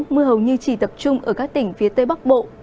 mưa hầu như chỉ tập trung ở các tỉnh phía tây bắc bộ